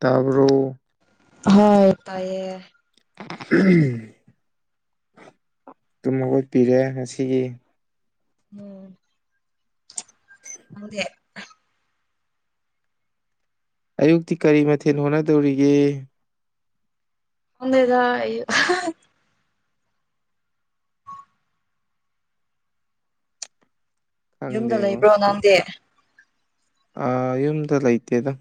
ꯇꯥꯕ꯭ꯔꯣ ꯍꯣꯏ ꯇꯥꯏꯌꯦ ꯑꯗꯨꯝ ꯃꯈꯣꯏꯠ ꯄꯤꯔꯦ ꯉꯁꯤꯒꯤ ꯎꯝ ꯃꯗꯤꯦ ꯑꯌꯨꯛꯇꯤ ꯀꯔꯤ ꯃꯊꯦꯜ ꯍꯣꯠꯅꯗꯧꯔꯤꯒꯦ ꯍꯗꯦꯗꯣ ꯌꯨꯝꯗ ꯂꯩꯕ꯭ꯔꯣ ꯅꯪꯗꯤꯦ ꯑ ꯌꯨꯝꯗ ꯂꯩꯇꯦꯗꯪ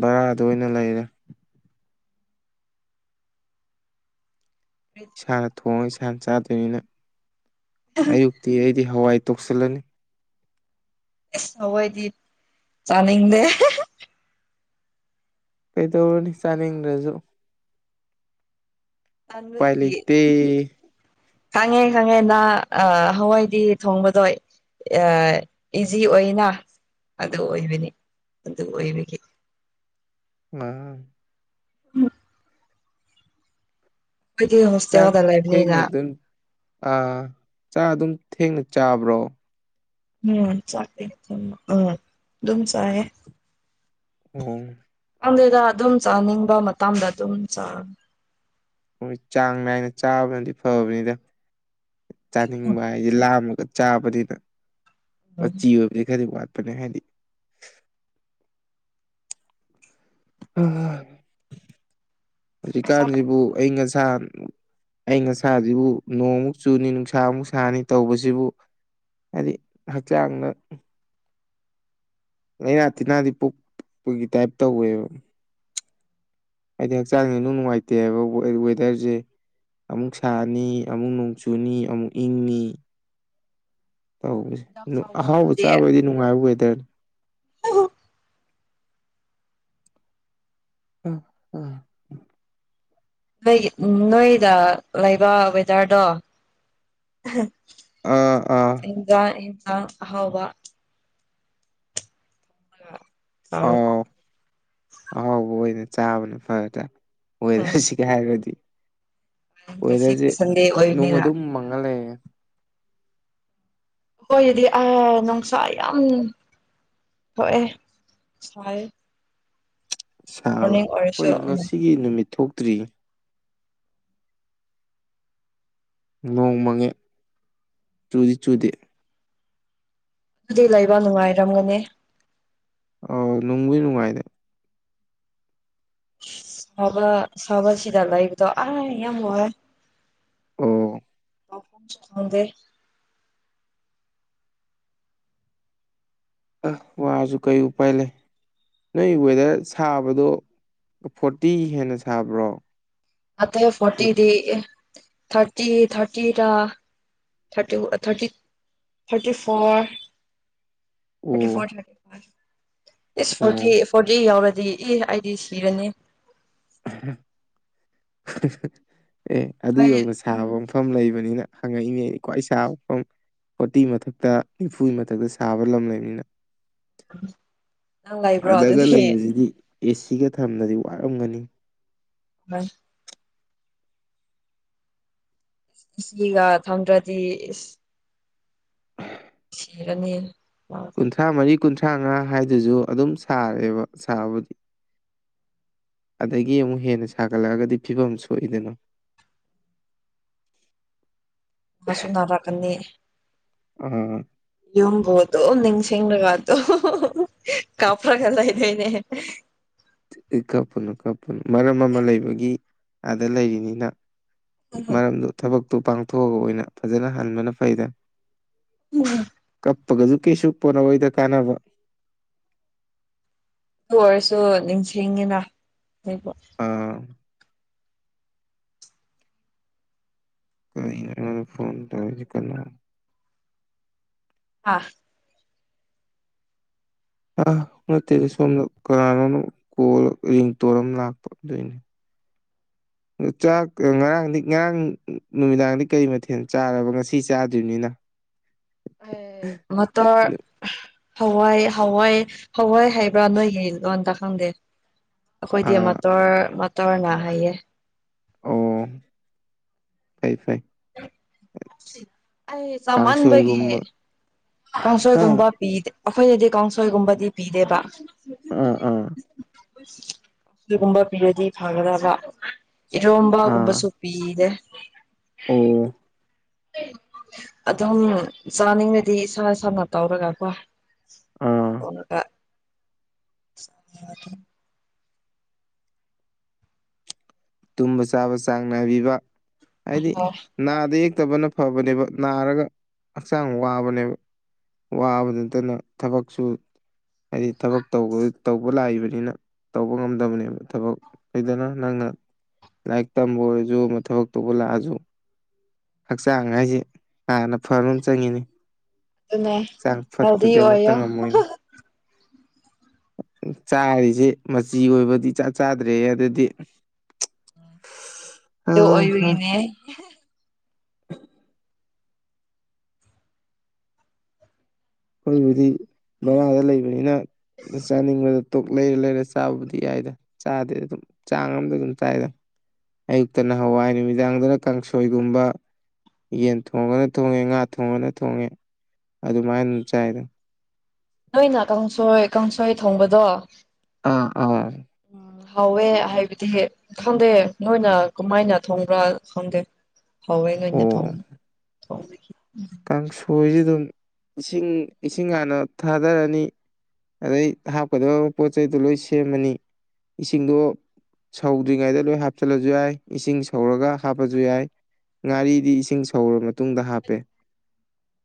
ꯚꯔꯥꯗ ꯑꯣꯏꯅ ꯂꯩꯔꯦ ꯏꯁꯥꯅ ꯊꯣꯡꯉꯒ ꯏꯁꯥꯅ ꯆꯥꯗꯣꯏꯅꯤꯅ ꯑꯌꯨꯛꯇꯤ ꯑꯩꯗꯤ ꯍꯋꯥꯏ ꯇꯣꯛꯁꯤꯜꯂꯅꯤ ꯁꯕꯗꯤ ꯆꯅꯤ ꯗꯦ ꯀꯩꯗꯧꯅꯤ ꯆꯥꯅꯤ ꯔꯖꯣ ꯄꯥꯏ ꯇꯟꯕꯒꯤ ꯂꯩꯇ ꯈꯪꯉꯦ ꯈꯪꯉꯦ ꯅꯍ ꯍꯋꯥꯏꯗꯤ ꯊꯣꯡꯕꯗꯣ ꯏꯖꯤ ꯑꯣꯏꯅ ꯑꯗꯨ ꯑꯣꯏꯕꯅꯤ ꯑꯗꯨ ꯑꯣꯏꯕꯒꯤ ꯎꯝ ꯎꯝ ꯆꯥꯛ ꯍꯣꯁꯇꯦꯜꯗ ꯊꯦꯡ ꯂꯩꯕꯅꯤꯅ ꯅ ꯑꯗꯨ ꯑꯥ ꯆꯥ ꯑꯗꯨꯝ ꯊꯦꯡꯅ ꯆꯥꯕ꯭ꯔꯣ ꯎꯝ ꯆꯦ ꯎꯝ ꯇꯝ ꯆꯑ ꯑꯣ ꯍꯪꯗꯩꯗ ꯑꯗꯨꯝ ꯆꯥꯅꯤꯡꯕ ꯃꯇꯥꯡꯗ ꯑꯗꯨꯝ ꯆꯥ ꯍꯣꯏ ꯆꯥꯡ ꯅꯥꯏꯅ ꯆꯥꯕꯅꯗꯤ ꯐꯕꯅꯤꯗ ꯆꯥꯅꯤꯡꯕ ꯍꯥꯏꯗꯤꯦ ꯂꯥꯑꯝꯃ ꯆꯥꯕꯅꯤꯅ ꯃꯆꯤ ꯑꯣꯏꯕꯗꯤ ꯈꯗꯤ ꯋꯥꯠꯄꯅꯤ ꯍꯥꯏꯗꯤ ꯆꯥꯛ ꯍꯧꯖꯤꯛꯀꯥꯟꯖꯤꯕꯨ ꯑꯌ ꯑꯁꯥ ꯑ ꯑꯁꯥꯁꯤꯕꯨ ꯅꯣꯡꯃꯨꯛ ꯆꯨꯅꯤ ꯅꯨꯡꯁꯥꯃꯨꯛ ꯁꯥꯅꯤ ꯇꯧꯕꯁꯤꯕꯨ ꯍꯥꯏꯗꯤ ꯍꯛꯆꯥꯡꯅ ꯂꯥꯏꯅꯥ ꯇꯤꯟꯅꯥꯗꯤ ꯄꯣꯛꯄꯒꯤ ꯇꯥꯏꯞ ꯇꯧꯋꯦꯕ ꯑꯩꯗꯤ ꯍꯛꯆꯥꯡꯁ ꯅꯨꯡ ꯅꯨꯡꯉꯥꯏꯇꯦꯕ ꯋꯦꯗꯔꯁꯦ ꯑꯃꯨꯛ ꯁꯥꯅꯤ ꯑꯃꯨꯛ ꯅꯣꯡꯆꯨꯅꯤ ꯑꯃꯨꯛ ꯏꯪꯅꯤ ꯇꯧꯕꯁꯦ ꯍꯤꯗꯥꯛ ꯆꯥꯋꯣ ꯑꯍꯥꯎꯕ ꯑꯗꯨꯗꯤ ꯆꯥꯕꯩꯗꯤ ꯅꯨꯡꯉꯥꯏꯕ ꯋꯦꯗꯔꯅꯤ ꯑ ꯑ ꯅꯣꯏꯒꯤ ꯎ ꯅꯣꯏꯗ ꯂꯩꯕ ꯋꯦꯗꯔꯗꯣ ꯑꯥ ꯑꯥ ꯑ ꯍꯥꯎꯕ ꯑꯣ ꯑꯥꯎ ꯑꯍꯥꯎꯕ ꯑꯣꯏꯅ ꯆꯥꯕꯅ ꯐꯗ꯭ꯔꯥ ꯎꯝ ꯋꯦꯗꯔꯁꯤꯒ ꯍꯥꯏꯔꯗꯤ ꯉꯁꯤꯗꯤ ꯋꯦꯗꯔꯁꯦ ꯁꯟꯗꯦ ꯅꯨꯡ ꯑꯣꯏꯕꯅꯤꯅ ꯑꯗꯨꯝ ꯃꯥꯡꯍꯜꯂꯌꯦ ꯍꯣꯏ ꯑꯗꯨꯗꯤ ꯑ ꯅꯨꯡꯁꯥ ꯌꯥꯝ ꯍꯑꯦ ꯁꯥꯏ ꯁꯥꯕ꯭ꯔꯥ ꯃꯣꯔꯅꯤꯡ ꯑꯣꯏꯔꯁꯨ ꯍꯣꯏ ꯎꯝ ꯉꯁꯤꯒꯤ ꯅꯨꯃꯤꯠ ꯊꯣꯛꯇ꯭ꯔꯤ ꯅꯣꯡ ꯃꯪꯉꯦ ꯆꯨꯗꯤ ꯆꯨꯗꯤ ꯑꯗꯨꯗꯤ ꯂꯩꯕ ꯅꯨꯡꯉꯥꯏꯔꯝꯒꯅꯤ ꯑꯥꯎ ꯅꯨꯡꯕꯨ ꯅꯨꯡꯉꯥꯏꯅꯦꯦ ꯁꯕ ꯁꯋꯥ ꯁꯤꯗ ꯂꯥꯏꯕꯗ ꯑ ꯑ ꯋꯥ ꯑꯣ ꯦ ꯑ ꯋꯥꯁꯨ ꯀꯩ ꯎꯄꯥꯏ ꯂꯩ ꯅꯣꯏ ꯋꯦꯗꯔ ꯁꯥꯕꯗꯣ ꯐꯣꯔꯇꯤ ꯍꯦꯟꯅ ꯁꯥꯕ꯭ꯔꯣ ꯉ ꯐꯣꯔꯇꯤꯗꯤ thirty thirty thirty thirty thirty four ꯊ ꯐ ꯑꯣ ꯊ ꯐ ꯐꯇꯤ ꯑꯣ ꯐꯣꯔꯇꯤ ꯌꯥꯎ ꯑꯗꯨ ꯑꯦ ꯑꯩꯗꯤ ꯁꯤꯔꯅꯤ ꯑꯦ ꯑꯗꯨ ꯅꯣꯏ ꯌꯧꯅ ꯁꯥꯕ ꯑꯃ ꯃꯐꯝ ꯂꯩꯕꯅꯤꯅ ꯍꯪꯉꯛꯏꯉꯩ ꯈ꯭ꯋꯥ ꯏꯁꯥꯐꯝ ꯐꯣꯔꯇꯤ ꯃꯊꯛꯇ ꯅꯤꯐꯨ ꯃꯊꯛꯇ ꯁꯥꯕ ꯂꯝ ꯂꯩꯕꯅꯤꯅ ꯎꯝ ꯑꯥꯗꯒ ꯂꯩꯕꯁꯤꯗꯤ ꯑꯦꯁꯤꯒ ꯊꯝꯅꯗꯤ ꯋꯥꯔꯝꯒꯅꯤ ꯍ ꯁꯤꯒ ꯊꯝꯗ꯭ꯔꯗꯤ ꯁꯤꯔꯅꯤ ꯃꯥꯗꯣ ꯀꯨꯟꯊ꯭ꯔꯥ ꯃꯔꯤ ꯀꯨꯟꯊ꯭ꯔꯥꯉꯥ ꯍꯥꯏꯗꯨꯁꯨ ꯑꯗꯨꯝ ꯁꯥꯔꯦꯕ ꯁꯥꯕꯨꯗꯤ ꯑꯗꯒꯤ ꯑꯃꯨꯛ ꯍꯦꯟꯅ ꯁꯥꯒꯠꯂꯛꯑꯒꯗꯤ ꯐꯤꯕꯝ ꯁꯣꯛꯏꯗꯅꯣ ꯑ ꯁꯨꯅꯔꯥꯀꯅꯤ ꯎꯝ ꯌꯡꯕꯣꯗꯨꯣ ꯅꯤꯡꯤꯡꯁꯤꯤꯡꯒꯕꯥꯗꯨꯣ ꯀꯥꯄ꯭ꯔꯒꯂ ꯏꯗꯦꯅꯦ ꯦ ꯀꯞꯄꯅꯨ ꯀꯞꯄꯅꯨ ꯃꯔꯝ ꯑꯃ ꯂꯩꯕꯒꯤ ꯑꯥꯗ ꯂꯩꯔꯤꯅꯤꯅ ꯑꯗꯨ ꯃꯔꯝꯗꯨ ꯊꯕꯛꯇꯨ ꯄꯥꯡꯊꯣꯛꯑꯒ ꯑꯣꯏꯅ ꯐꯖꯅ ꯍꯟꯕꯅ ꯐꯩꯗ ꯎꯝ ꯍꯥꯞꯄꯒꯁꯨ ꯀꯩꯁꯨꯄꯅ ꯍꯣꯏꯗ ꯀꯥꯟꯅꯕ ꯑꯣꯏꯔꯁꯨ ꯅꯤꯡꯁꯤꯡꯉꯤꯅ ꯑꯗꯨꯕꯨ ꯑ ꯀ ꯐꯣꯟ ꯇ ꯀ ꯑ ꯑ ꯅꯠꯇꯦꯗꯤ ꯁꯣꯝꯗ ꯀꯅꯥꯅꯣꯅꯣ ꯀꯣꯔꯤꯡꯇꯣꯔ ꯑꯃ ꯂꯥꯛꯄꯗꯣꯏꯅꯦ [unintelligible] ꯆꯥꯛ ꯉꯔꯥꯡꯗꯤ ꯉꯔꯥꯡ ꯅꯨꯃꯤꯗꯥꯡꯗꯤ ꯀꯔꯤ ꯃꯊꯦꯜ ꯆꯥꯔꯕ ꯉꯁꯤ ꯆꯥꯗ꯭ꯔꯤꯕꯅꯤꯅ ꯑꯦ ꯃꯠꯇ ꯍꯋꯥꯏ ꯍꯋꯥꯏ ꯍꯋꯥꯏ ꯍꯥꯏꯕ꯭ꯔꯥ ꯅꯣꯏꯒꯤ ꯂꯣꯟꯇ ꯈꯪꯗꯦ ꯑꯩꯈꯣꯏꯗꯤ ꯑꯥ ꯃꯇꯣꯔ ꯃꯇꯣꯔꯅ ꯍꯥꯏꯌꯦꯦ ꯑꯣ ꯐꯩ ꯐꯩ ꯑ ꯆꯃꯥꯟꯕꯒꯤ ꯀꯥꯡꯁꯣꯏꯒꯨꯝꯕ ꯍꯥ ꯀꯥꯡꯁꯣꯏꯒꯨꯝꯕ ꯄꯤꯗꯦ ꯑꯩꯈꯣꯏꯅꯗꯤ ꯀꯥꯡꯁꯣꯏꯒꯨꯝꯕꯗꯤ ꯄꯤꯗꯦꯕ ꯑꯥ ꯑꯥ ꯑꯗꯨꯒꯨꯝꯕ ꯄꯤꯔꯗꯤ ꯐꯪꯒꯗ꯭ꯔꯕ ꯔꯣꯝꯕꯒꯨꯝꯕ ꯑꯥ ꯁꯣꯄꯤꯤꯗ ꯑꯣ ꯑꯗꯨꯝ ꯆꯥꯅꯤꯡꯕꯗꯤ ꯏꯁꯥ ꯏꯁꯥꯅ ꯇꯧꯔꯒꯀꯣ ꯑꯥ ꯀ ꯇꯨꯝꯕ ꯆꯥꯕ ꯆꯥꯡ ꯅꯥꯏꯕꯤꯕ ꯍꯥꯏꯗꯤ ꯅꯥꯗ ꯐꯠꯇꯕꯅ ꯐꯕꯅꯦꯕ ꯅꯥꯔꯒ ꯍꯛꯆꯥꯡ ꯋꯥꯕꯅꯦꯕ ꯋꯥꯕ ꯅꯠꯇꯅ ꯊꯕꯛꯁꯨ ꯍꯥꯏꯗꯤ ꯊꯕꯛ ꯇꯧꯕ ꯂꯥꯛꯏꯕꯅꯤꯅ ꯇꯧꯕ ꯉꯝꯗꯕꯅꯦꯕ ꯊꯕꯛ ꯐꯗꯅ ꯅꯪꯅ ꯂꯥꯏꯛ ꯇꯝꯕꯖꯨ ꯃꯊ ꯍ ꯇꯧꯕꯂꯥꯛꯖꯨ ꯍꯛꯆꯥꯡꯉꯁꯤ ꯍꯥꯟꯅ ꯐꯕ ꯑꯃ ꯆꯪꯉꯤꯅꯤ ꯑꯗꯨꯅꯦ ꯍꯛꯆꯥꯡ ꯍꯦꯜꯗꯤ ꯐꯠꯇꯗꯤ ꯑꯃꯠꯇ ꯑꯣꯏꯌꯣ ꯉꯝꯃꯣꯏꯅꯤ ꯆꯥꯔꯤꯁꯦ ꯃꯆꯤ ꯑꯣꯏꯕꯗꯤ ꯆꯥꯛ ꯆꯥꯗ꯭ꯔꯦ ꯑꯗꯨꯗꯤ ꯎꯝ ꯑꯗꯨ ꯑꯣꯏꯔꯒꯤꯅꯦ ꯑꯩꯈꯣꯏꯕꯨꯗꯤ ꯕꯣꯔꯥꯗ ꯂꯩꯕꯅꯤꯅ ꯆꯥꯅꯤꯡꯕꯗ ꯇꯣꯛ ꯂꯩꯔ ꯂꯩꯔ ꯆꯥꯕꯕꯨꯗꯤ ꯌꯥꯏꯗ ꯆꯥꯗꯦ ꯑꯗꯨꯝ ꯆꯥꯡ ꯑꯃꯗꯤꯝꯗ ꯑꯗꯨꯝ ꯆꯥꯏꯗꯅ ꯑꯌꯨꯛꯇ ꯅꯍꯋꯥꯏ ꯅꯨꯃꯤꯗꯥꯡꯗꯅ ꯀꯥꯡꯁꯣꯏꯒꯨꯝꯕ ꯌꯦꯟ ꯊꯣꯡꯉꯅ ꯊꯣꯡꯉꯦ ꯉꯥ ꯊꯣꯡꯉꯅ ꯊꯣꯡꯉꯦ ꯑꯗꯨꯃꯥꯏꯅ ꯑꯗꯨ ꯆꯥꯏꯗ ꯅꯣꯏꯅ ꯀꯥꯡꯁꯣꯏ ꯀꯥꯡꯁꯣꯏ ꯊꯣꯡꯕꯗꯣ ꯑꯥ ꯑꯥ ꯎ ꯍꯥꯎꯋꯦ ꯍꯥꯏꯕꯗꯤ ꯈꯪꯗꯦ ꯅꯣꯏꯅ ꯀꯃꯥꯏꯅ ꯊꯣꯡꯕ꯭ꯔꯥ ꯈꯪꯗꯦ ꯍꯥꯎꯋꯦꯏ ꯑꯣꯏꯅ ꯊꯣꯡ ꯑꯣ ꯊꯣꯡꯈꯤ ꯀꯥꯡꯁꯣꯏꯁꯤ ꯑꯗꯨꯝ ꯏꯁꯤꯡ ꯏꯁꯤꯡ ꯍꯥꯟꯅ ꯊꯥꯗꯔꯅꯤ ꯑꯗꯩ ꯍꯥꯞꯀꯗꯕ ꯄꯣꯠ ꯆꯩꯗꯣ ꯂꯣꯏ ꯁꯦꯝꯃꯅꯤ ꯏꯁꯤꯡꯗꯣ ꯁꯧꯗ꯭ꯔꯤꯉꯩꯗ ꯂꯣꯏ ꯍꯥꯞꯆꯜꯂꯁꯨ ꯌꯥꯏ ꯏꯁꯤꯡ ꯁꯧꯔꯒ ꯍꯥꯞꯄꯁꯨ ꯌꯥꯏ ꯉꯥꯔꯤꯗꯤ ꯏꯁꯤꯡ ꯁꯧꯔꯕ ꯃꯇꯨꯡꯗ ꯍꯥꯞꯄꯦ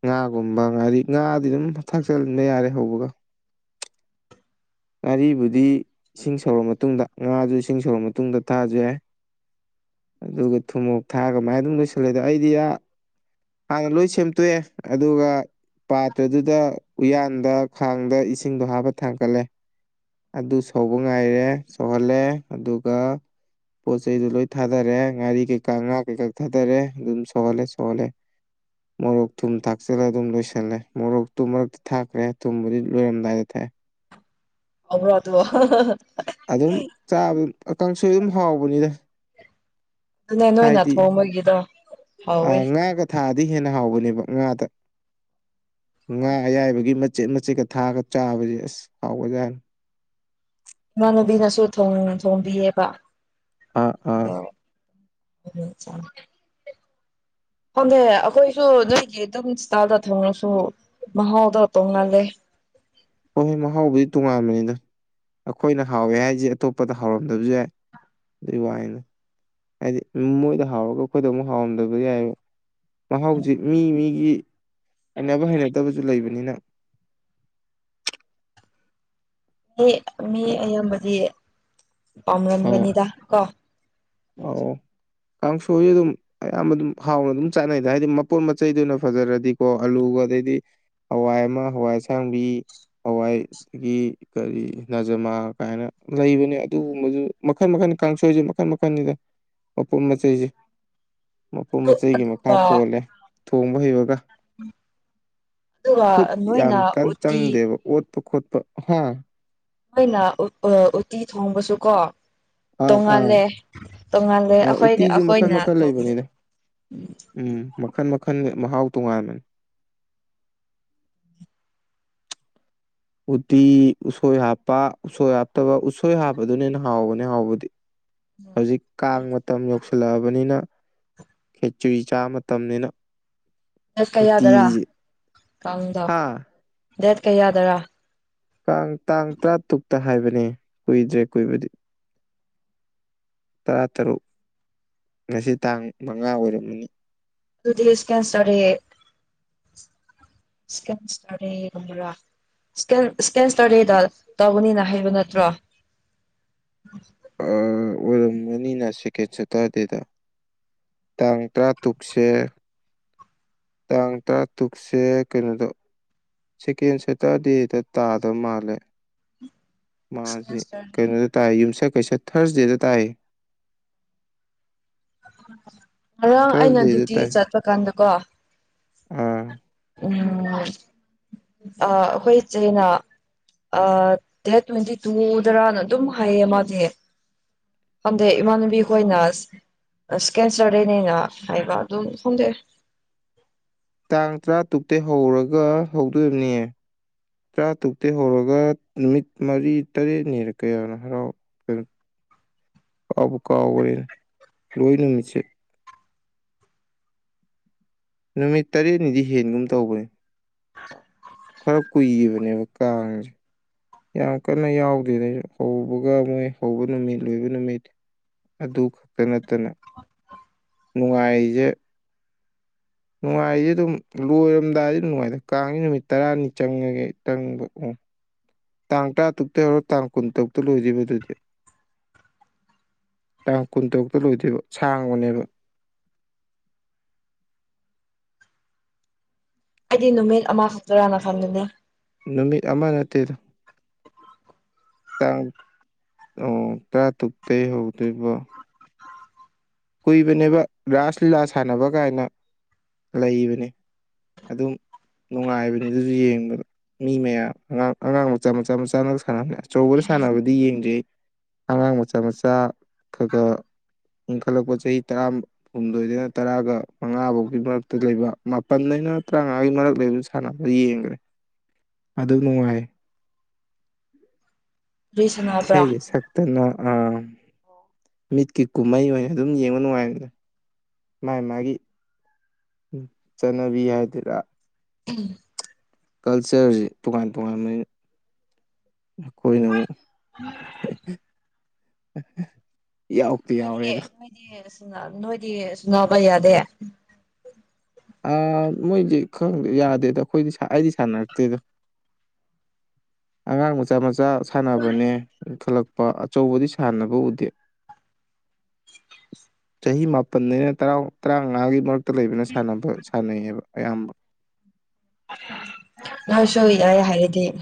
ꯉꯥꯒꯨꯝꯕ ꯉꯥꯔꯤ ꯉꯥꯗꯤ ꯑꯗꯨꯝ ꯊꯥꯛꯆꯕ ꯌꯥꯔꯦ ꯍꯧꯕꯒ [unintelligible] [inaudible] ꯉꯥꯔꯤꯕꯨꯗꯤ ꯏꯁꯤꯡ ꯁꯧꯔꯕ ꯃꯇꯨꯡꯗ ꯉꯥꯁꯨ ꯏꯁꯤꯡ ꯁꯧꯔꯕ ꯃꯇꯨꯡꯗ ꯊꯥꯁꯨ ꯌꯥꯏ ꯑꯗꯨꯒ ꯊꯨꯝꯃꯣꯛ ꯊꯥꯒꯃꯥꯏ ꯑꯗꯨꯝ ꯂꯣꯏꯁꯤꯜꯂꯦꯗ ꯑꯩꯗꯤ ꯑ ꯍꯥꯟꯅ ꯂꯁꯤ ꯁꯦꯝꯇꯣꯛꯑꯦ ꯑꯗꯨꯒ ꯄꯥꯇ꯭ꯔꯗꯨꯗ ꯎꯌꯥꯟꯗ ꯈꯥꯡꯗ ꯏꯁꯤꯡꯗꯣ ꯍꯥꯞꯄ ꯊꯥꯡꯀꯠꯂꯦ ꯑꯗꯨ ꯁꯧꯕ ꯉꯥꯏꯔꯦ ꯁꯧꯍꯜꯂꯦ ꯑꯗꯨꯒ ꯄꯣꯠ ꯆꯩꯗꯨꯣ ꯂꯣꯏ ꯊꯥꯗꯔꯦ ꯉꯥꯔꯤ ꯀꯩꯀꯥ ꯉꯥ ꯀꯩꯀꯥ ꯊꯥꯗꯔꯦ ꯑꯗꯨꯝ ꯁꯧꯍꯜꯂꯦ ꯁꯣꯍꯜꯂꯦ [unintelligible] [inaudible] ꯃꯣꯔꯣꯛ ꯊꯨꯝ ꯊꯥꯛꯆꯜꯂ ꯑꯗꯨꯝ ꯂꯣꯏꯁꯤꯜꯂꯦ ꯃꯣꯔꯣꯛꯇꯨ ꯃꯔꯛꯇ ꯊꯥꯛꯈ꯭ꯔꯦ ꯊꯨꯝꯕꯨꯗꯤ ꯂꯣꯏꯔꯝꯗꯥꯏꯗ ꯊꯥꯏ ꯑꯕ꯭ꯔꯣ ꯑꯗꯨ ꯑꯗꯨꯝ ꯆꯥꯕ ꯀꯥꯡꯁꯣꯏ ꯑꯗꯨꯝ ꯍꯥꯎꯕꯅꯤꯗ ꯑꯗꯨꯅꯦ ꯅꯣꯏꯅ ꯍꯥꯏꯗꯤ ꯊꯣꯡꯕꯒꯤꯗꯣ ꯍꯥꯎꯋꯦ ꯉꯥꯒ ꯊꯥꯗꯤ ꯍꯦꯟꯅ ꯍꯥꯎꯕꯅꯦꯕ ꯉꯥꯗ ꯉꯥ ꯑꯌꯥꯏꯕꯒꯤ ꯃꯆꯦꯠ ꯃꯆꯦꯠꯀ ꯊꯥꯒ ꯆꯥꯕꯁ ꯑꯁ ꯍꯥꯎꯕꯖꯥꯅꯤ ꯏꯃꯥꯟꯅꯨꯕꯤꯅꯁꯨ ꯊꯣꯡꯕꯤꯌꯦꯕ ꯑꯥ ꯑꯥ ꯑꯗꯣ ꯑꯣ ꯆ [unintelligible] [inaudible] ꯍꯪꯉꯦ ꯑꯩꯈꯣꯏꯁꯨ ꯅꯣꯏꯒꯤ ꯑꯗꯨꯝ ꯏꯁꯇꯥꯜꯗ ꯊꯣꯡꯅꯁꯨ ꯃꯍꯥꯎꯗ ꯇꯣꯡꯉꯜꯂꯦ ꯍꯣꯏ ꯍꯣꯏ ꯃꯍꯥꯎꯕꯨꯗꯤ ꯇꯣꯉꯥꯟꯕꯅꯤꯗ ꯑꯩꯈꯣꯏꯅ ꯍꯥꯎꯋꯦ ꯍꯥꯏꯁꯦ ꯑꯇꯣꯞꯄꯗ ꯍꯥꯎꯔꯝꯗꯕꯁꯨ ꯌꯥꯏ ꯑꯗꯨꯏ ꯋꯥꯅꯦ ꯍꯥꯏꯗꯤ ꯃꯣꯏꯗ ꯍꯥꯎꯔꯒ ꯑꯩꯈꯣꯏꯗ ꯑꯃꯨꯛ ꯍꯥꯎꯔꯝꯗꯕꯗꯤ ꯌꯥꯏ ꯃꯍꯥꯎꯁꯤ ꯃꯤ ꯃꯤꯒꯤ ꯍꯩꯅꯕ ꯍꯩꯅꯗꯕꯁꯨ ꯂꯩꯕꯅꯤꯅ [unintelligible] [inaudible] ꯃꯤ ꯑꯌꯥꯝꯕꯗꯤ ꯑꯥ ꯄꯥꯝꯔꯝꯒꯅꯤꯗ ꯀꯣ ꯀꯥꯡꯁꯣꯏꯁ ꯑꯗꯨꯝ ꯑꯌꯥꯝꯕ ꯑꯗꯨꯝ ꯍꯥꯎꯅ ꯑꯗꯨꯝ ꯆꯥꯅꯩꯗ ꯍꯥꯏꯗꯤ ꯃꯄꯣꯟꯠ ꯃꯆꯩꯗꯨ ꯑꯣꯏꯅ ꯐꯖꯔꯗꯤꯀꯣ ꯑꯂꯨꯒ ꯑꯗꯩ ꯑꯗꯨꯗꯤ ꯍꯋꯥꯏ ꯑꯃ ꯍꯋꯥꯏ ꯑꯁꯥꯡꯕꯤ ꯍꯋꯥꯏ ꯑꯗꯒꯤ ꯀꯔꯤ ꯅꯖꯃꯥ ꯀꯥꯏꯅ ꯂꯩꯕꯅꯦ ꯑꯗꯨꯒꯨꯝꯕꯁꯨ ꯃꯈꯟ ꯃꯈꯜ ꯀꯥꯡꯁꯣꯏꯁꯦ ꯃꯈꯟ ꯃꯈꯜ ꯑꯩꯈꯣꯏꯅꯤꯗ ꯃꯄꯣꯠ ꯃꯆꯩꯁꯤ ꯃꯄꯣꯠ ꯃꯆꯩꯒꯤ ꯃꯈꯥ ꯑꯗꯨꯒ ꯄꯣꯜꯂꯦ ꯊꯣꯡꯕ ꯍꯩꯕꯒ ꯑꯗꯨꯒ ꯈꯨꯠ ꯌꯥꯝ ꯅꯣꯏꯅ ꯀꯟꯅ ꯎꯇꯤ ꯆꯪꯗꯦꯕ ꯑꯣꯠ ꯈꯣꯠꯄ ꯍꯥ ꯃꯣꯏꯅ ꯎꯇꯤ ꯊꯣꯡꯕꯁꯨꯀꯣ ꯑꯥ ꯑꯥ ꯇꯣꯡꯉꯜꯂꯦ ꯇꯣꯡꯉꯥꯜꯂꯦ ꯑꯥ ꯑꯩꯈꯣꯏ ꯎꯇꯤꯁꯨ ꯃꯈꯜ ꯑꯩꯈꯣꯏꯅ ꯃꯈꯜ ꯊꯣꯡꯉ ꯂꯩꯕꯅꯤꯗ ꯎꯝ ꯎꯝ ꯃꯈꯟ ꯃꯈꯜꯒꯤ ꯃꯍꯥꯎ ꯇꯣꯉꯥꯟꯕꯅꯤ ꯎꯇꯤ ꯎꯁꯣꯏ ꯍꯥꯞꯄ ꯎꯁꯣꯏ ꯍꯥꯞꯇꯕ ꯎꯁꯣꯏ ꯍꯥꯞꯄꯗꯨꯅꯦꯅ ꯍꯥꯎꯕꯅꯦ ꯍꯥꯎꯕꯗꯤ ꯍꯧꯖꯤꯛ ꯀꯥꯡ ꯃꯇꯝ ꯌꯧꯁꯟ ꯍꯜꯂꯛꯑꯕꯅꯤꯅ ꯈꯦꯆꯔꯤ ꯆꯥ ꯃꯇꯝꯅꯤꯅ ꯗꯦꯠ ꯎꯇꯤꯁꯤ ꯀꯌꯥꯗꯔꯥꯗꯣ ꯍꯥ ꯗꯦꯠ ꯀꯌꯥꯗꯔꯥ ꯀꯥꯡ ꯇꯥꯡ ꯇꯔꯥꯇꯨꯛꯇ ꯍꯥꯏꯕꯅꯦ ꯀꯨꯏꯗ꯭ꯔꯦ ꯀꯨꯏꯕꯗꯤ ꯇꯔꯥꯇꯔꯨꯛ ꯉꯁꯤ ꯇꯥꯡ ꯃꯉꯥ ꯑꯣꯏꯔꯝꯃꯅꯤ ꯑꯗꯨꯗꯤ ꯏꯁꯀꯦꯟꯁꯇꯥꯔꯦ ꯆ ꯁꯇꯥꯔꯥ ꯏꯁꯀ ꯏꯁꯀꯦꯟ ꯁꯇꯔꯦꯗ ꯇꯧꯧꯕꯅꯤꯅ ꯍꯥꯏꯕ ꯅꯠꯇ꯭ꯔꯣ [inaudible] ꯑꯣꯏꯔꯝꯕꯅꯤꯅ ꯁꯦꯀꯦꯟ ꯁꯦꯇꯔꯗꯦꯗ ꯇꯥꯡ ꯇꯔꯥ ꯇꯔꯨꯛꯁꯦ ꯇꯥꯡ ꯇꯥ ꯇꯨꯛꯁꯦ ꯀꯩꯅꯣꯗꯣ ꯆꯦꯀꯦꯟ ꯁꯋꯦꯇꯔꯗꯦꯗ ꯇꯥꯗ ꯃꯥꯜꯂꯦ ꯁꯦꯀꯦꯟ ꯃꯥꯁꯦ ꯁꯇꯔꯗꯦ ꯀꯩꯅꯣꯗ ꯇꯥꯏ ꯌꯨꯝꯁꯛ ꯀꯩꯁꯥ ꯊꯔꯁꯗꯦꯗ ꯇꯥꯏ ꯉꯔꯥꯡ ꯑꯩꯅ ꯊꯥꯔꯁꯗꯦꯗ ꯗ꯭ꯌꯨꯇꯤ ꯆꯠꯄ ꯀꯥꯟꯗꯀꯣ ꯑꯝ ꯎꯝ ꯑꯩꯈꯣꯏ ꯆꯩꯅ ꯗꯦꯠ ꯇ꯭ꯋꯦꯟꯇꯤ ꯇꯨꯗꯔꯅ ꯑꯗꯨꯝ ꯍꯥꯏꯌꯦ ꯃꯥꯁꯦ ꯍꯟꯗꯦ ꯏꯃꯅꯕꯤ ꯍꯣꯏꯅꯁ ꯏꯁꯀꯦꯟꯁꯔꯗꯦꯅꯦꯒ ꯍꯥꯏꯕ ꯑꯗꯨꯝ ꯈꯣꯡꯗꯣꯛꯑꯦ ꯇꯥꯡ ꯇꯔꯥ ꯇꯨꯛꯇꯇꯩ ꯍꯧꯔꯒ ꯍꯧꯗꯣꯔꯤꯕꯅꯤꯌꯦ ꯆꯥ ꯇꯨꯛꯇꯤ ꯍꯧꯔꯒ ꯅꯨꯃꯤꯠ ꯃꯔꯤ ꯇꯔꯦꯠꯅꯤꯔꯛꯀꯌꯥꯅꯣ ꯍꯔꯥꯎꯑꯣ ꯄꯥꯕꯨ ꯀꯔ ꯂꯣꯏ ꯅꯨꯃꯤꯁꯦ ꯅꯨꯃꯤꯠ ꯇꯔꯦꯠꯅꯤꯗꯤ ꯍꯦꯟꯒꯨꯝ ꯇꯧꯕꯅꯤ ꯑ [inaudible] ꯈꯔ ꯀꯨꯏꯕꯅꯦꯕ ꯀꯥꯔꯁꯦ ꯌꯥꯝ ꯀꯟꯅ ꯌꯥꯎꯗꯦꯅꯦ ꯍꯧꯕꯒ ꯃꯣꯏ ꯍꯧꯕ ꯅꯨꯃꯤꯠ ꯂꯣꯏꯕ ꯅꯨꯃꯤꯠ ꯑꯗꯨ ꯈꯛꯇ ꯅꯠꯇꯅ ꯅꯨꯡꯉꯥꯏꯖꯦ ꯅꯨꯡꯉꯥꯏꯗꯤ ꯑꯗꯨꯝ ꯂꯣꯏꯔꯝꯗꯥꯏꯗꯤ ꯅꯨꯡꯉꯥꯏ ꯀꯥꯡꯁꯤꯦ ꯅꯨꯃꯤꯠ ꯇꯔꯥꯅꯤ ꯆꯪꯉꯒꯦ ꯆꯪꯕ ꯎ ꯇꯥꯡ ꯇ ꯇꯨꯄꯇ ꯍꯔ ꯇꯥꯡ ꯀꯨꯟ ꯇꯞꯇ ꯂꯣꯏꯖꯕ ꯑꯗꯨꯗꯤ ꯇꯥꯡ ꯀꯨꯟ ꯇꯔꯨꯛꯇ ꯂꯣꯏꯗꯣꯏꯕ ꯁꯥꯡ ꯑꯣꯅꯦꯕ [inaudible] ꯑꯩꯗꯤ ꯅꯨꯃꯤꯠ ꯑꯃ ꯁ ꯇꯔꯥꯅ ꯊꯝꯗꯨꯅꯤ ꯅꯨꯃꯤꯠ ꯑꯃ ꯅꯠꯇꯦꯗ ꯇꯥꯡ ꯑꯣ ꯇꯔꯥꯇꯔꯨꯛꯇꯩ ꯍꯧꯗꯣꯏꯕ ꯀꯨꯏꯕꯅꯦꯕ ꯔꯥꯁ ꯂꯤꯂꯥ ꯁꯥꯟꯅꯕ ꯀꯥꯏꯅ ꯂꯩꯕꯅꯤ ꯑꯗꯨꯝ ꯅꯨꯡꯉꯥꯏꯕꯅꯦ ꯑꯗꯨꯁꯨ ꯌꯦꯡꯕꯗ ꯃꯤ ꯃꯌꯥꯝ ꯑꯉꯥꯡ ꯑꯉꯥꯡ ꯃꯆꯥ ꯃꯆꯥ ꯃꯆꯥ ꯑꯃ ꯁꯥꯟꯅꯕꯅꯤ ꯑꯆꯧꯕꯅ ꯁꯥꯟꯅꯕꯗꯤ ꯌꯦꯡꯖꯩ ꯑꯉꯥꯡ ꯃꯆꯥ ꯃꯆꯥ ꯈꯒ ꯈꯠꯂꯛꯄ ꯆꯍꯤ ꯇꯔꯥ ꯍꯨꯝꯗꯣꯏꯗꯩꯅ ꯇꯔꯥꯒ ꯃꯉꯥ ꯐꯧꯒꯤ ꯃꯔꯛꯇ ꯂꯩꯕ ꯃꯥꯄꯟꯗꯩꯅ ꯇꯔꯥꯉ ꯑꯒꯤ ꯃꯔꯛ ꯂꯩꯕꯁꯨ ꯁꯥꯟꯅꯕ ꯌꯦꯡꯈ꯭ꯔꯦ ꯑꯗꯨ ꯅꯨꯡꯉꯥꯏ ꯀꯔꯤ ꯁꯥꯟꯅꯕ꯭ꯔꯥ ꯏꯁꯩꯒꯤ ꯁꯛꯇꯅ ꯑ ꯃꯤꯠꯀꯤ ꯀꯨꯝꯍꯩ ꯑꯣꯏꯅ ꯑꯗꯨꯝ ꯌꯦꯡꯕ ꯅꯨꯡꯉꯥꯏꯕꯅꯦ ꯃꯥꯒꯤ ꯃꯥꯒꯤ ꯎ ꯆꯠꯅꯕꯤ ꯍꯥꯏꯗꯔ ꯀꯜꯆꯔꯁꯤ ꯇꯣꯉꯥꯟ ꯇꯣꯉꯥꯟꯕ ꯑꯩꯈꯣꯏꯅ ꯑꯃꯨꯛ ꯌꯥꯎ ꯅꯣꯏꯗꯤ ꯅꯣꯏꯗꯤ ꯅꯣꯏꯗꯤ ꯁꯨ ꯅꯥꯕ ꯌꯥꯗꯦ ꯃꯣꯏꯁꯦ ꯈꯪꯗꯦ ꯌꯥꯗꯦꯗ ꯑꯩꯈꯣꯏꯗꯤ ꯑꯩꯗꯤ ꯁꯥꯟꯅꯔꯛꯇꯦꯗꯣ ꯑꯉꯥꯡ ꯃꯆꯥ ꯃꯆꯥ ꯁꯥꯟꯅꯕꯅꯦ ꯊꯣꯛꯂꯛꯄ ꯄ ꯑꯆꯧꯕꯗꯤ ꯁꯥꯟꯅꯕ ꯎꯗꯦ ꯆꯍꯤ ꯃꯥꯄꯜꯅꯤꯅ ꯇꯔꯥꯃꯉꯥꯒꯤ ꯃꯔꯛꯇ ꯂꯩꯕ ꯅꯕ ꯁꯥꯟꯅꯩꯑꯕ ꯑꯌꯥꯝꯕ ꯀꯁꯨ ꯌꯥꯏ ꯍꯥꯏꯔꯗꯤ